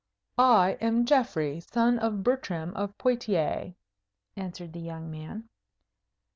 "I am Geoffrey, son of Bertram of Poictiers," answered the young man.